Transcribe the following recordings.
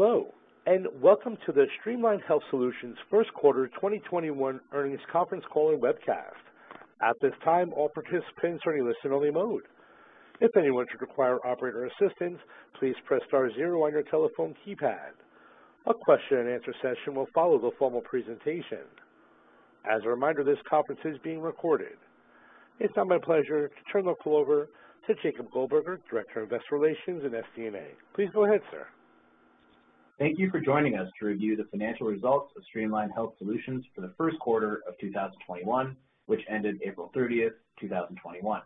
Hello, and welcome to the Streamline Health Solutions Q1 2021 earnings conference call and webcast. At this time, all participants are in listen-only mode. If anyone should require operator assistance, please press star zero one your telephone keypad. A question and answer session will follow the formal presentation. As a reminder, this conference is being recorded. It's now my pleasure to turn the call over to Jacob Goldberger, Director of Investor Relations and FP&A. Please go ahead, sir. Thank you for joining us to review the financial results of Streamline Health Solutions for the first quarter of 2021, which ended April 30th, 2021.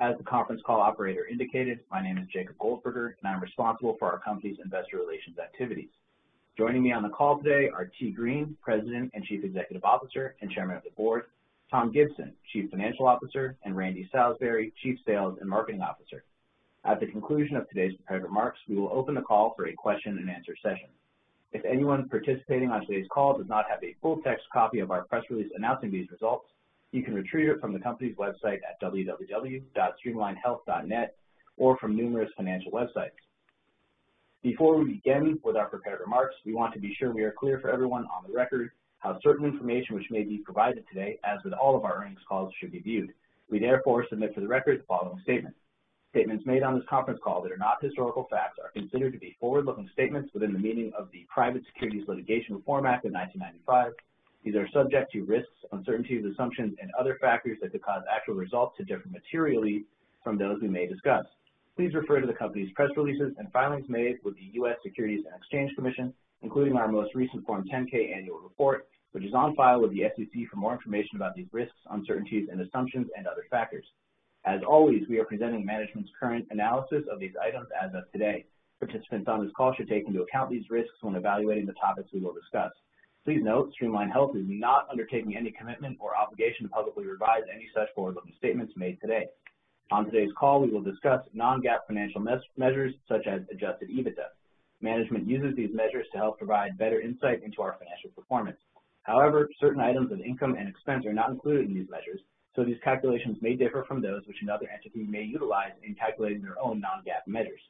As the conference call operator indicated, my name is Jacob Goldberger, and I'm responsible for our company's investor relations activities. Joining me on the call today are Wyche T. Green, III, President and Chief Executive Officer and Chairman of the Board, Thomas J. Gibson, Chief Financial Officer, and Randy Salisbury, Chief Sales and Marketing Officer. At the conclusion of today's prepared remarks, we will open the call for a question and answer session. If anyone participating on today's call does not have a full text copy of our press release announcing these results, you can retrieve it from the company's website at www.streamlinehealth.net or from numerous financial websites. Before we begin with our prepared remarks, we want to be sure we are clear for everyone on the record how certain information which may be provided today, as with all of our earnings calls, should be viewed. We therefore submit for the record the following statement. Statements made on this conference call that are not historical facts are considered to be forward-looking statements within the meaning of the Private Securities Litigation Reform Act of 1995. These are subject to risks, uncertainties, assumptions, and other factors that could cause actual results to differ materially from those we may discuss. Please refer to the company's press releases and filings made with the U.S. Securities and Exchange Commission, including our most recent Form 10-K annual report, which is on file with the SEC for more information about these risks, uncertainties, and assumptions and other factors. As always, we are presenting management's current analysis of these items as of today. Participants on this call should take into account these risks when evaluating the topics we will discuss. Please note, Streamline Health is not undertaking any commitment or obligation to publicly revise any such forward-looking statements made today. On today's call, we will discuss non-GAAP financial measures such as adjusted EBITDA. Management uses these measures to help provide better insight into our financial performance. However, certain items of income and expense are not included in these measures, so these calculations may differ from those which another entity may utilize in calculating their own non-GAAP measures.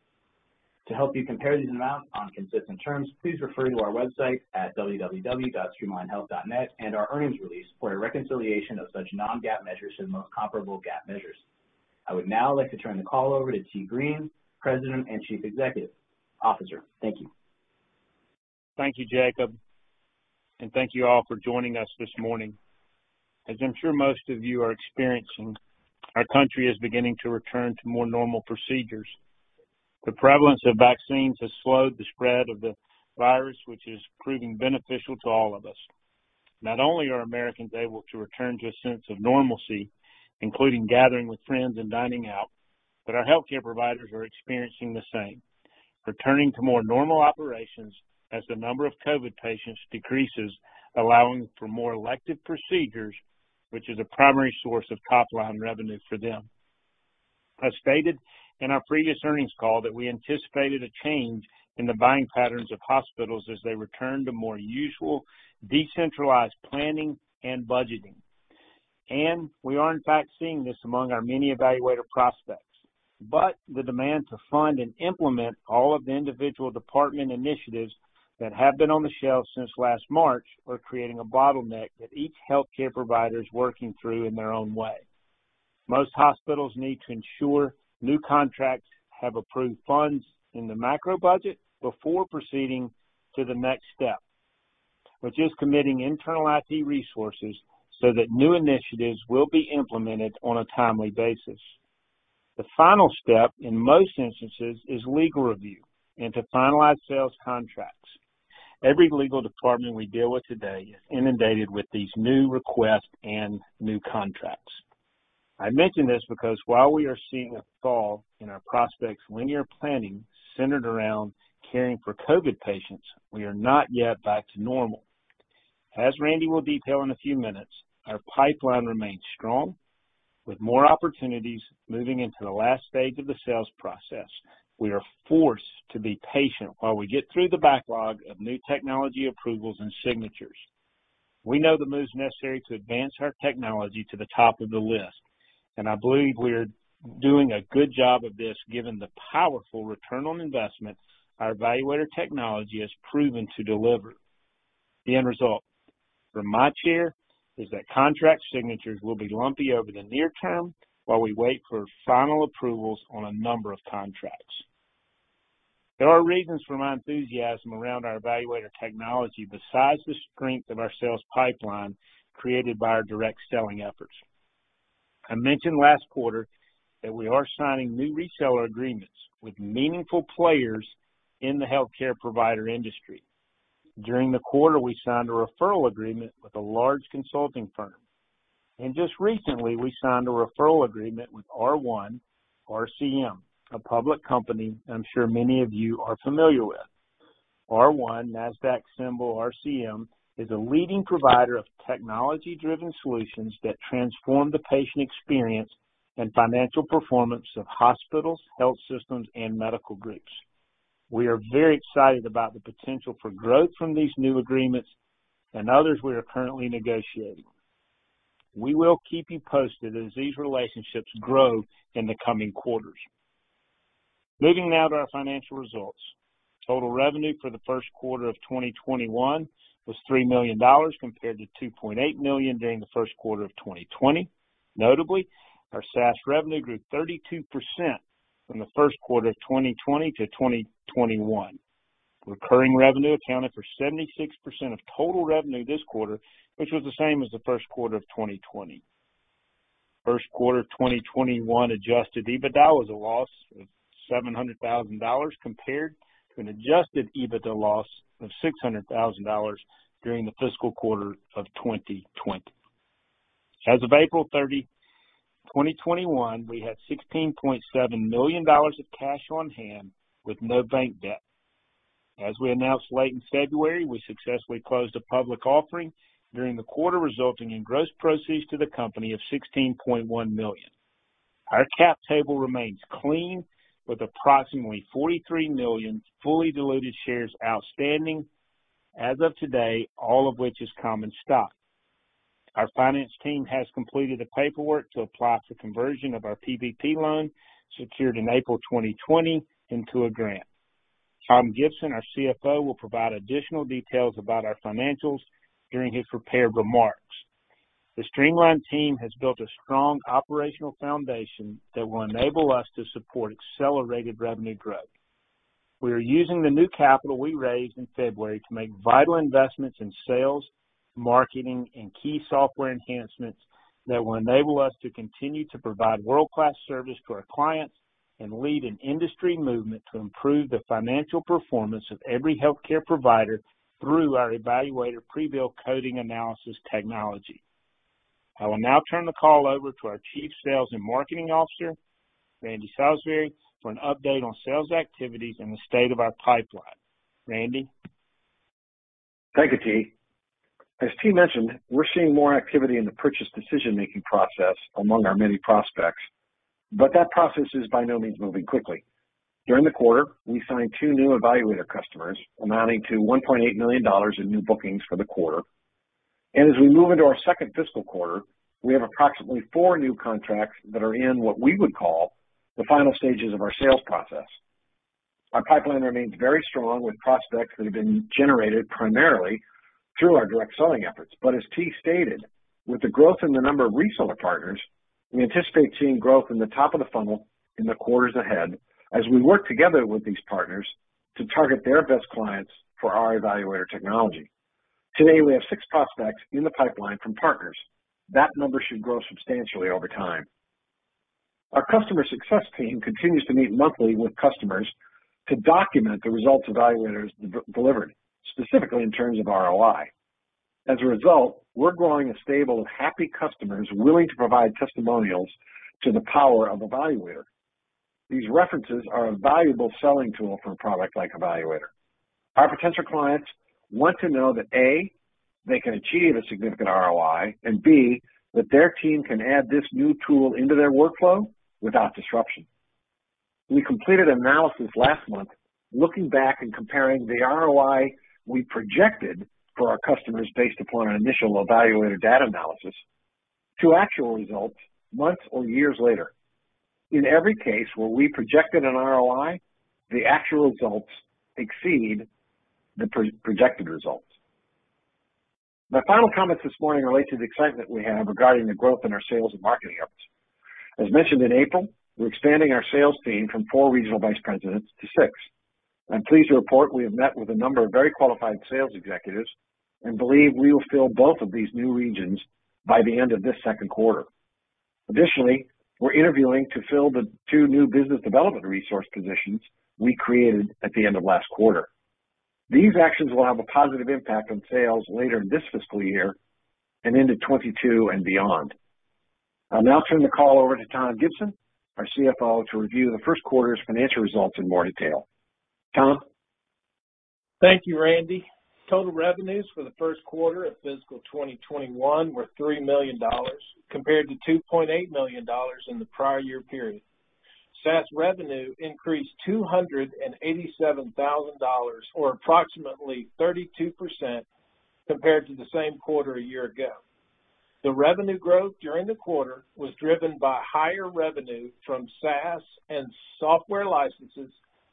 To help you compare these amounts on consistent terms, please refer to our website at www.streamlinehealth.net and our earnings release for a reconciliation of such non-GAAP measures to the most comparable GAAP measures. I would now like to turn the call over to Wyche T. Green, III, President and Chief Executive Officer. Thank you. Thank you, Jacob. Thank you all for joining us this morning. As I'm sure most of you are experiencing, our country is beginning to return to more normal procedures. The prevalence of vaccines has slowed the spread of the virus, which is proving beneficial to all of us. Not only are Americans able to return to a sense of normalcy, including gathering with friends and dining out, but our healthcare providers are experiencing the same, returning to more normal operations as the number of COVID patients decreases, allowing for more elective procedures, which is a primary source of top-line revenues for them. I stated in our previous earnings call that we anticipated a change in the buying patterns of hospitals as they return to more usual decentralized planning and budgeting. We are in fact seeing this among our many eValuator prospects. The demand to fund and implement all of the individual department initiatives that have been on the shelf since last March are creating a bottleneck that each healthcare provider is working through in their own way. Most hospitals need to ensure new contracts have approved funds in the macro budget before proceeding to the next step, which is committing internal IT resources so that new initiatives will be implemented on a timely basis. The final step, in most instances, is legal review and to finalize sales contracts. Every legal department we deal with today is inundated with these new requests and new contracts. I mention this because while we are seeing a fall in our prospects' linear planning centered around caring for COVID patients, we are not yet back to normal. As Randy will detail in a few minutes, our pipeline remains strong, with more opportunities moving into the last stages of the sales process. We are forced to be patient while we get through the backlog of new technology approvals and signatures. We know the moves necessary to advance our technology to the top of the list, and I believe we're doing a good job of this given the powerful return on investment our eValuator technology has proven to deliver. The end result from my chair is that contract signatures will be lumpy over the near term while we wait for final approvals on a number of contracts. There are reasons for my enthusiasm around our eValuator technology besides the strength of our sales pipeline created by our direct selling efforts. I mentioned last quarter that we are signing new reseller agreements with meaningful players in the healthcare provider industry. During the quarter, we signed a referral agreement with a large consulting firm. Just recently, we signed a referral agreement with R1 RCM, a public company I'm sure many of you are familiar with. R1, Nasdaq symbol RCM, is a leading provider of technology-driven solutions that transform the patient experience and financial performance of hospitals, health systems, and medical groups. We are very excited about the potential for growth from these new agreements and others we are currently negotiating. We will keep you posted as these relationships grow in the coming quarters. Moving now to our financial results. Total revenue for the Q1 of 2021 was $3 million, compared to $2.8 million during the Q1 of 2020. Notably, our SaaS revenue grew 32% from the Q1 of 2020 to 2021. Recurring revenue accounted for 76% of total revenue this quarter, which was the same as the Q1 of 2020. Q1 2021 adjusted EBITDA was a loss of $700,000, compared to an adjusted EBITDA loss of $600,000 during the fiscal quarter of 2020. As of April 30, 2021, we had $16.7 million of cash on hand with no bank debt. As we announced late in February, we successfully closed a public offering during the quarter, resulting in gross proceeds to the company of $16.1 million. Our cap table remains clean with approximately 43 million fully diluted shares outstanding. As of today, all of which is common stock. Our finance team has completed the paperwork to apply for conversion of our PPP loan secured in April 2020 into a grant. Thomas J. Gibson, our CFO, will provide additional details about our financials during his prepared remarks. The Streamline team has built a strong operational foundation that will enable us to support accelerated revenue growth. We are using the new capital we raised in February to make vital investments in sales, marketing, and key software enhancements that will enable us to continue to provide world-class service to our clients and lead an industry movement to improve the financial performance of every healthcare provider through our eValuator pre-billed coding analysis technology. I will now turn the call over to our Chief Sales and Marketing Officer, Randy Salisbury, for an update on sales activities and the state of our pipeline. Randy? Thank you, Tee. As Tee mentioned, we're seeing more activity in the purchase decision-making process among our many prospects, but that process is by no means moving quickly. During the quarter, we signed two new eValuator customers amounting to $1.8 million in new bookings for the quarter. As we move into our second fiscal quarter, we have approximately four new contracts that are in what we would call the final stages of our sales process. Our pipeline remains very strong with prospects that have been generated primarily through our direct selling efforts. As Tee stated, with the growth in the number of reseller partners, we anticipate seeing growth in the top of the funnel in the quarters ahead as we work together with these partners to target their best clients for our eValuator technology. Today, we have six prospects in the pipeline from partners. That number should grow substantially over time. Our customer success team continues to meet monthly with customers to document the results eValuator has delivered, specifically in terms of ROI. As a result, we're growing a stable of happy customers willing to provide testimonials to the power of eValuator. These references are a valuable selling tool for a product like eValuator. Our potential clients want to know that, A, they can achieve a significant ROI, and B, that their team can add this new tool into their workflow without disruption. We completed analysis last month looking back and comparing the ROI we projected for our customers based upon our initial eValuator data analysis to actual results months or years later. In every case where we projected an ROI, the actual results exceed the projected results. My final comments this morning relate to the excitement we have regarding the growth in our sales and marketing efforts. As mentioned in April, we're expanding our sales team from four regional vice presidents to six. I'm pleased to report we have met with a number of very qualified sales executives and believe we will fill both of these new new regions by the end of this Q2. Additionally, we're interviewing to fill the two new business development resource positions we created at the end of last quarter. These actions will have a positive impact on sales later this fiscal year and into 2022 and beyond. I'll now turn the call over to Tom Gibson, our CFO, to review the Q1 's financial results in more detail. Tom? Thank you, Randy. Total revenues for the first quarter of fiscal 2021 were $3 million, compared to $2.8 million in the prior year period. SaaS revenue increased $287,000, or approximately 32%, compared to the same quarter a year ago. The revenue growth during the quarter was driven by higher revenue from SaaS and software licenses,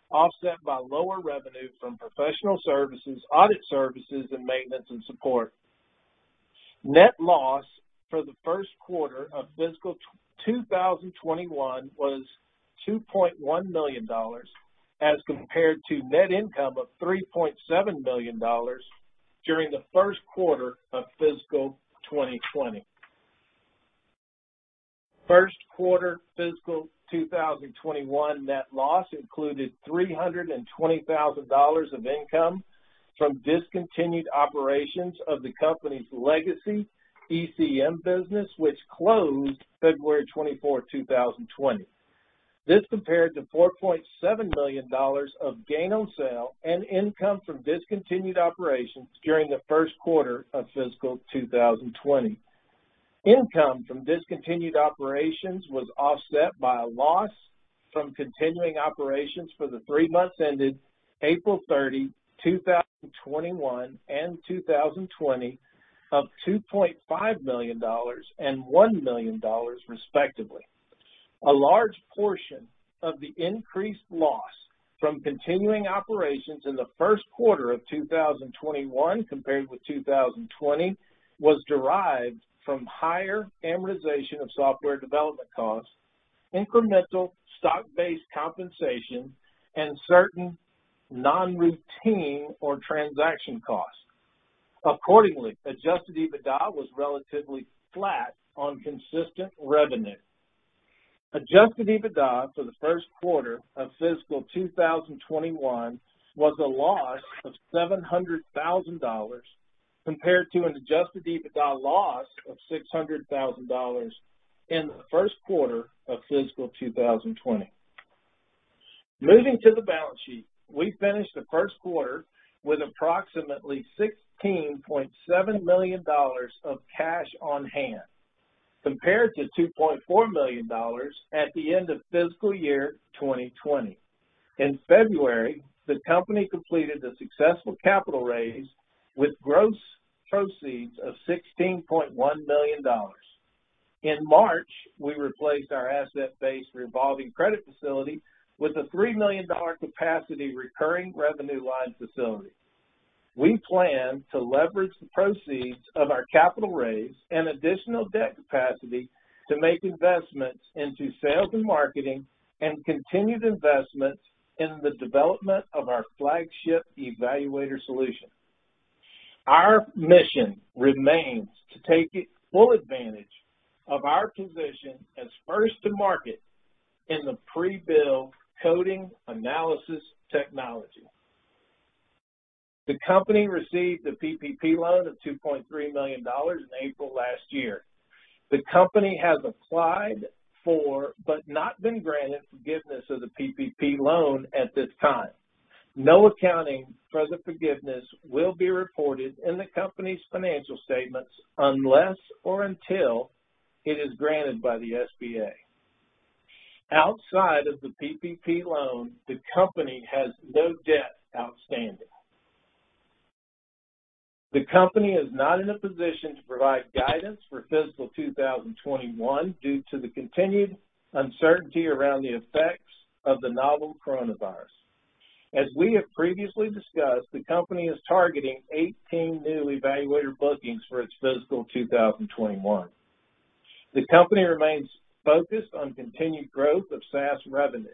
offset by lower revenue from professional services, audit services, and maintenance and support. Net loss for the first quarter of fiscal 2021 was $2.1 million as compared to net income of $3.7 million during the first quarter of fiscal 2020. First quarter fiscal 2021 net loss included $320,000 of income from discontinued operations of the company's legacy ECM business, which closed February 24, 2020. This compared to $4.7 million of gain on sale and income from discontinued operations during the Q1 of fiscal 2020. Income from discontinued operations was offset by a loss From continuing operations for the three months ended April 30, 2021 and 2020 of $2.5 million and $1 million respectively. A large portion of the increased loss from continuing operations in the Q1 of 2021 compared with 2020 was derived from higher amortization of software development costs, incremental stock-based compensation, and certain non-routine or transaction costs. Accordingly, adjusted EBITDA was relatively flat on consistent revenue. Adjusted EBITDA for the first quarter of fiscal 2021 was a loss of $700,000, compared to an adjusted EBITDA loss of $600,000 in the Q1 of fiscal 2020. Moving to the balance sheet, we finished the first quarter with approximately $16.7 million of cash on hand, compared to $2.4 million at the end of fiscal year 2020. In February, the company completed a successful capital raise with gross proceeds of $16.1 million. In March, we replaced our asset-based revolving credit facility with a $3 million capacity recurring revenue line facility. We plan to leverage the proceeds of our capital raise and additional debt capacity to make investments into sales and marketing and continued investments in the development of our flagship eValuator solution. Our mission remains to take full advantage of our position as first to market in the pre-billed coding analysis technology. The company received a PPP loan of $2.3 million in April last year. The company has applied for, but not been granted forgiveness of the PPP loan at this time. No accounting for the forgiveness will be reported in the company's financial statements unless or until it is granted by the SBA. Outside of the PPP loan, the company has no debt outstanding. The company is not in a position to provide guidance for fiscal 2021 due to the continued uncertainty around the effects of the novel coronavirus. As we have previously discussed, the company is targeting 18 new eValuator bookings for its fiscal 2021. The company remains focused on continued growth of SaaS revenue.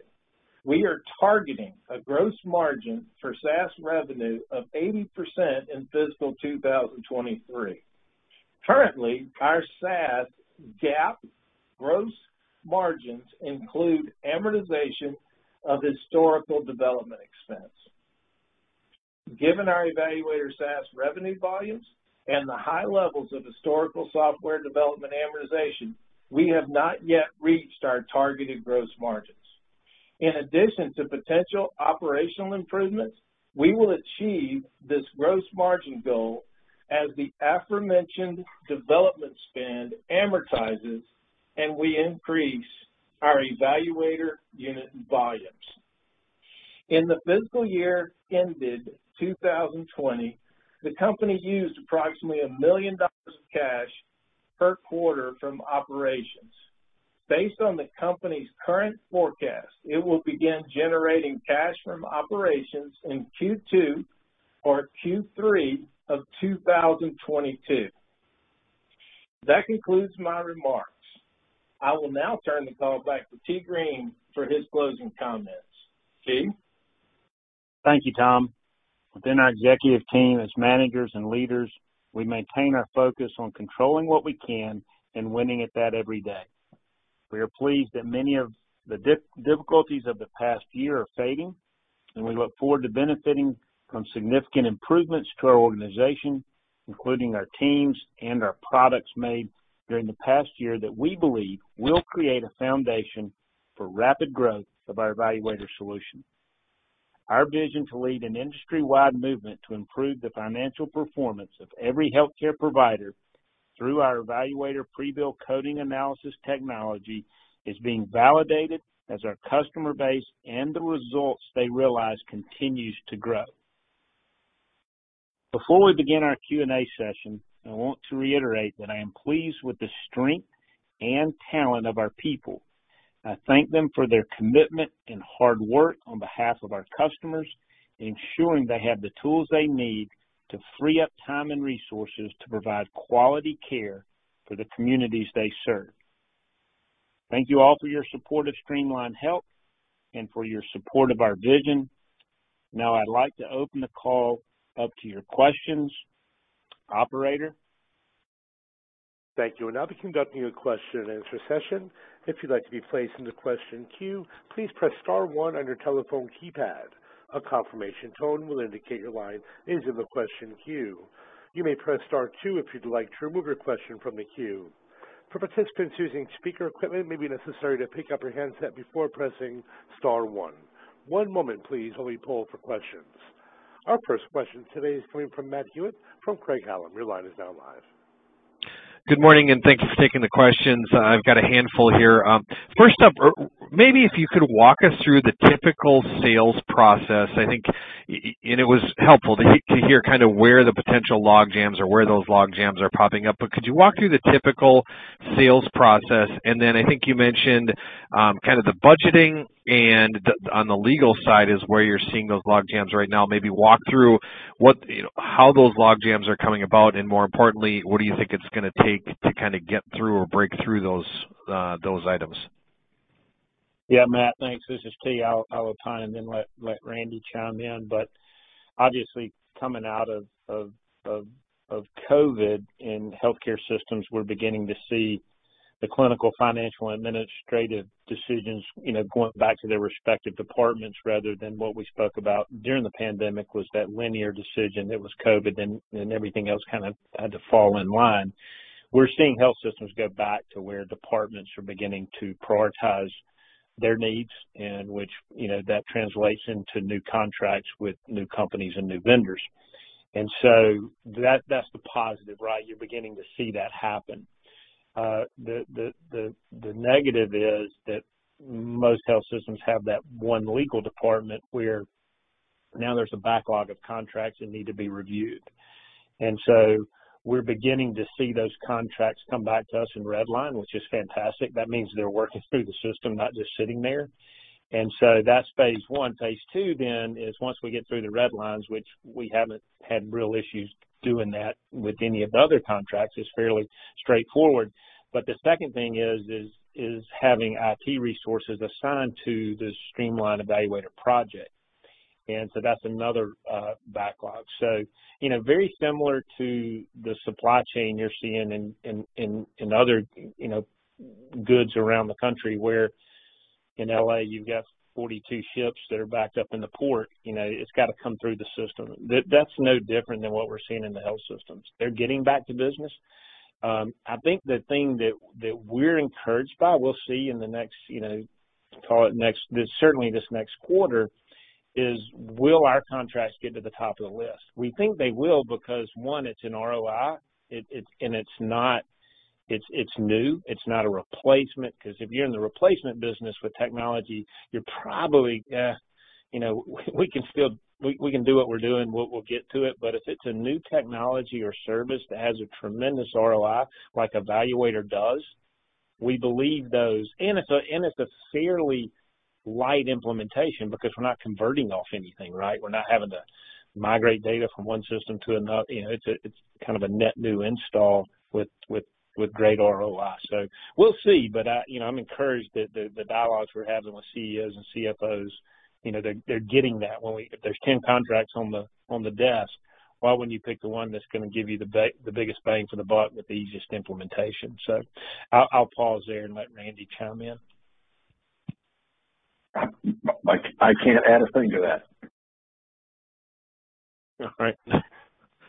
We are targeting a gross margin for SaaS revenue of 80% in fiscal 2023. Currently, our SaaS GAAP gross margins include amortization of historical development expense. Given our eValuator SaaS revenue volumes and the high levels of historical software development amortization, we have not yet reached our targeted gross margins. In addition to potential operational improvements, we will achieve this gross margin goal as the aforementioned development spend amortizes, and we increase our eValuator unit volumes. In the fiscal year ended 2020, the company used approximately $1 million of cash per quarter from operations. Based on the company's current forecast, it will begin generating cash from operations in Q2 or Q3 of 2022. That concludes my remarks. I will now turn the call back to Wyche T. Green, III for his closing comments. Wyche T. Green, III? Thank you, Tom. Within our executive team, as managers and leaders, we maintain our focus on controlling what we can and winning at that every day. We are pleased that many of the difficulties of the past year are fading, and we look forward to benefiting from significant improvements to our organization, including our teams and our products made during the past year that we believe will create a foundation for rapid growth of our eValuator solution. Our vision to lead an industry-wide movement to improve the financial performance of every healthcare provider through our eValuator pre-billed coding analysis technology is being validated as our customer base and the results they realize continues to grow. Before we begin our Q&A session, I want to reiterate that I am pleased with the strength and talent of our people, and I thank them for their commitment and hard work on behalf of our customers, ensuring they have the tools they need to free up time and resources to provide quality care for the communities they serve. Thank you all for your support of Streamline Health and for your support of our vision. Now I'd like to open the call up to your questions. Operator? Our first question today is coming from Matthew Hewitt from Craig-Hallum. Your line is now live. Good morning, thanks for taking the questions. I've got a handful here. First up, maybe if you could walk us through the typical sales process. It was helpful to hear where the potential logjams or where those logjams are popping up. Could you walk through the typical sales process? I think you mentioned the budgeting and on the legal side is where you're seeing those logjams right now. Maybe walk through how those logjams are coming about and more importantly, what do you think it's going to take to get through or break through those items? Yeah, Matt, thanks. This is T. I will chime and then let Randy chime in. Obviously coming out of COVID, in healthcare systems, we're beginning to see the clinical, financial, and administrative decisions going back to their respective departments rather than what we spoke about during the pandemic was that linear decision. It was COVID and everything else had to fall in line. We're seeing health systems go back to where departments are beginning to prioritize their needs, that translates into new contracts with new companies and new vendors. That's the positive, right? You're beginning to see that happen. The negative is that most health systems have that one legal department where now there's a backlog of contracts that need to be reviewed. We're beginning to see those contracts come back to us in red line, which is fantastic. That means they're working through the system, not just sitting there. That's phase one. Phase two is once we get through the red lines, which we haven't had real issues doing that with any of the other contracts, it's fairly straightforward. The second thing is having IT resources assigned to the Streamline eValuator project. That's another backlog. Very similar to the supply chain you're seeing in other goods around the country where in L.A. you've got 42 ships that are backed up in the port. It's got to come through the system. That's no different than what we're seeing in the health systems. They're getting back to business. I think the thing that we're encouraged by, we'll see in certainly this next quarter, is will our contracts get to the top of the list? We think they will because one, it's an ROI, and it's new. It's not a replacement. If you're in the replacement business with technology, you're probably, "Eh, we can do what we're doing. We'll get to it." If it's a new technology or service that has a tremendous ROI, like eValuator does, we believe those. It's a fairly light implementation because we're not converting off anything, right? We're not having to migrate data from one system to another. It's a net new install with great ROI. We'll see, but I'm encouraged that the dialogues we're having with CEOs and CFOs, they're getting that. If there's 10 contracts on the desk, why wouldn't you pick the one that's going to give you the biggest bang for the buck with the easiest implementation? I'll pause there and let Randy chime in. I can't add a thing to that. All right.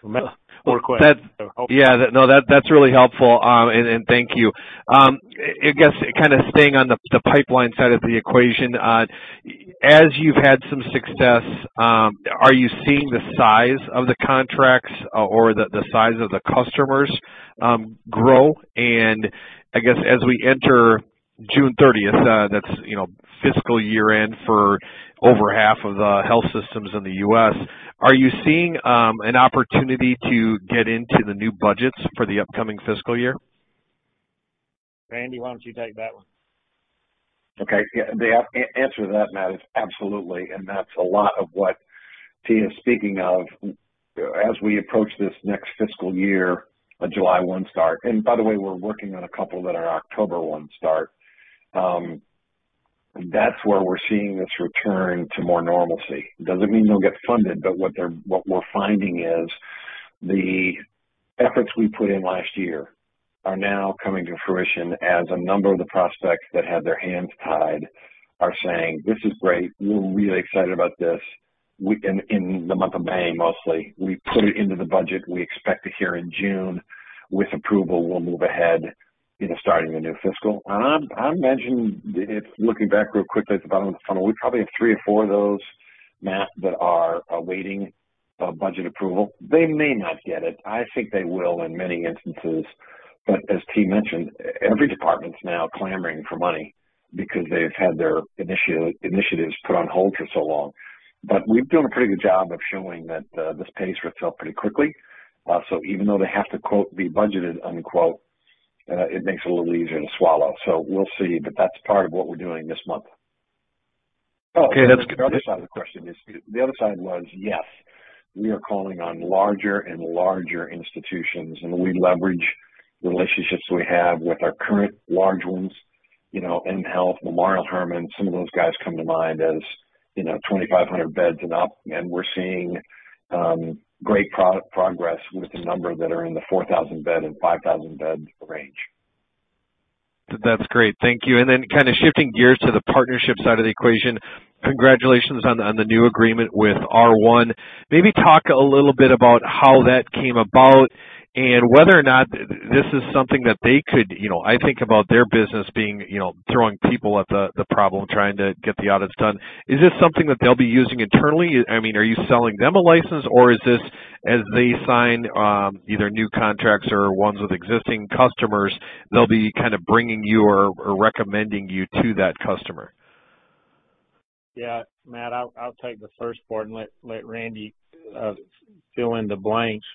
One more question. Yeah. No, that's really helpful, and thank you. I guess staying on the pipeline side of the equation, as you've had some success, are you seeing the size of the contracts or the size of the customers grow? I guess as we enter June 30th, that's fiscal year-end for over half of the health systems in the U.S., are you seeing an opportunity to get into the new budgets for the upcoming fiscal year? Randy, why don't you take that one? Okay. Yeah, the answer to that, Matt, is absolutely, and that's a lot of what T is speaking of. As we approach this next fiscal year, a July one start, and by the way, we're working on a couple that are October one start. That's where we're seeing this return to more normalcy. Doesn't mean they'll get funded, but what we're finding is the efforts we put in last year are now coming to fruition as a number of the prospects that had their hands tied are saying, "This is great. We're really excited about this." In the month of May, mostly. "We put it into the budget. We expect to hear in June. With approval, we'll move ahead into starting a new fiscal. I imagine, looking back real quick at the bottom of the funnel, we probably have three or four of those, Matt, that are awaiting budget approval. They may not get it. I think they will in many instances. As Tee mentioned, every department's now clamoring for money because they've had their initiatives put on hold for so long. We've done a pretty good job of showing that this pays for itself pretty quickly. Even though they have to quote "be budgeted" unquote, it makes it a little easier to swallow. We'll see, but that's part of what we're doing this month. Oh, the other side of the question is, the other side was, yes, we are calling on larger and larger institutions, and we leverage relationships we have with our current large ones, M Health, Memorial Hermann, some of those guys come to mind as 2,500 beds and up. We're seeing great progress with the number that are in the 4,000-bed and 5,000-bed range. That's great. Thank you. Then shifting gears to the partnership side of the equation, congratulations on the new agreement with R1. Maybe talk a little bit about how that came about and whether or not this is something that they could, I think about their business being, throwing people at the problem, trying to get the audits done. Is this something that they'll be using internally? Are you selling them a license or is this as they sign either new contracts or ones with existing customers, they'll be bringing you or recommending you to that customer? Yeah, Matt, I'll take the first part and let Randy fill in the blanks.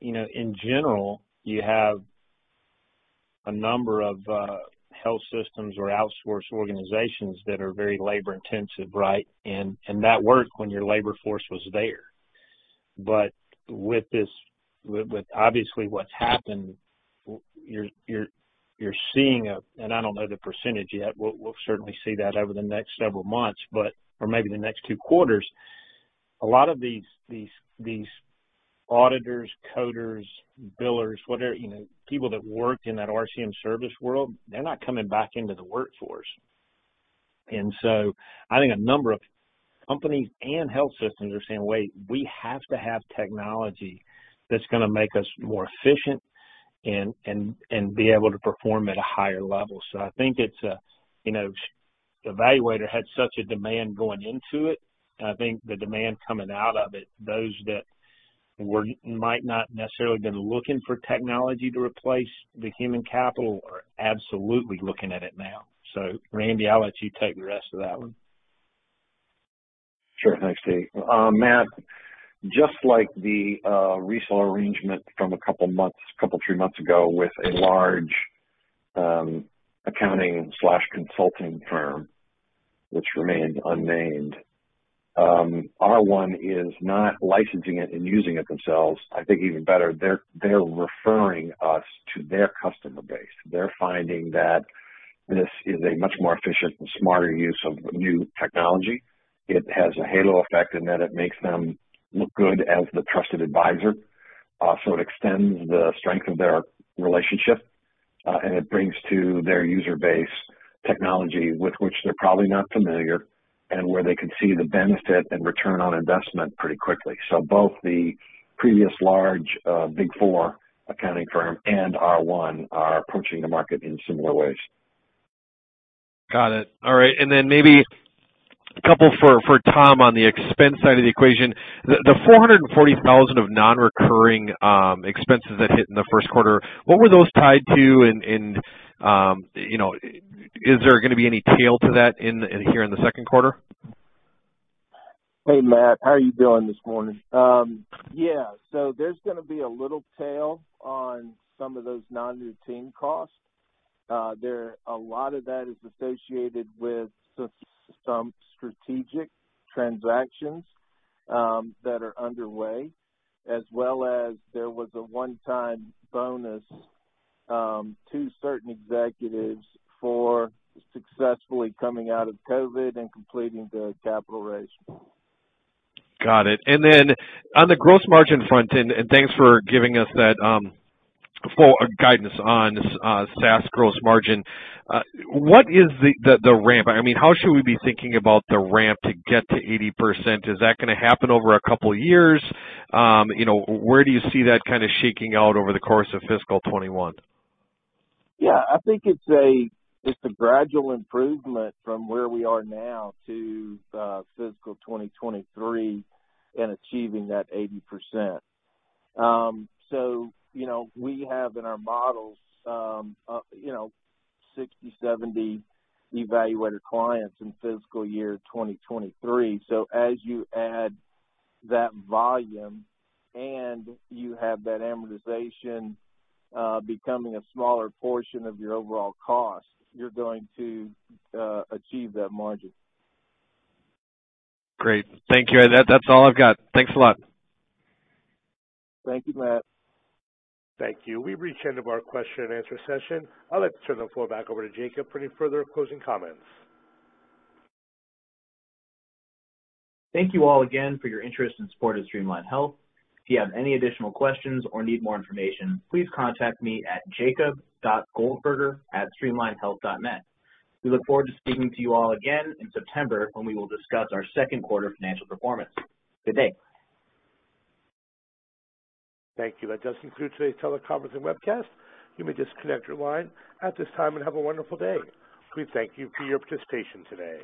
In general, you have a number of health systems or outsourced organizations that are very labor-intensive, right? That worked when your labor force was there. With obviously what's happened, you're seeing a, and I don't know the percentage yet, we'll certainly see that over the next several months, but for maybe the next two quarters, a lot of these auditors, coders, billers, people that work in that RCM service world, they're not coming back into the workforce. I think a number of companies and health systems are saying, "Wait, we have to have technology that's going to make us more efficient and be able to perform at a higher level." I think eValuator had such a demand going into it, and I think the demand coming out of it, those that might not necessarily have been looking for technology to replace the human capital are absolutely looking at it now. Randy, I'll let you take the rest of that one. Sure. Thanks, Tee. Matt, just like the resale arrangement from a couple three months ago with a large accounting/consulting firm, which remained unnamed, R1 is not licensing it and using it themselves. I think even better, they're referring us to their customer base. They're finding that this is a much more efficient and smarter use of new technology. It has a halo effect in that it makes them look good as the trusted advisor. It extends the strength of their relationship, and it brings to their user base technology with which they're probably not familiar and where they can see the benefit and ROI pretty quickly. Both the previous large Big Four accounting firm and R1 are approaching the market in similar ways. Got it. All right, then maybe a couple for Tom on the expense side of the equation. The $440,000 of non-recurring expenses that hit in the first quarter, what were those tied to? Is there going to be any tail to that in here in the second quarter? Hey, Matt. How are you doing this morning? There's going to be a little tail on some of those non-routine costs. A lot of that is associated with some strategic transactions that are underway, as well as there was a one-time bonus to certain executives for successfully coming out of COVID and completing the capital raise. Got it. Then on the gross margin front, and thanks for giving us that full guidance on SaaS gross margin. What is the ramp? How should we be thinking about the ramp to get to 80%? Is that going to happen over a couple of years? Where do you see that shaking out over the course of fiscal 2021? Yeah, I think it's a gradual improvement from where we are now to fiscal 2023 and achieving that 80%. We have in our models 60, 70 eValuator clients in fiscal year 2023. As you add that volume and you have that amortization becoming a smaller portion of your overall cost, you're going to achieve that margin. Great. Thank you. That's all I've got. Thanks a lot. Thank you, Matt. Thank you. We've reached the end of our question and answer session. I'd like to turn the floor back over to Jacob for any further closing comments. Thank you all again for your interest and support of Streamline Health. If you have any additional questions or need more information, please contact me at jacob.goldberger@streamlinehealth.net. We look forward to speaking to you all again in September when we will discuss our second quarter financial performance. Good day. Thank you. That does conclude today's teleconference and webcast. You may disconnect your line at this time and have a wonderful day. We thank you for your participation today.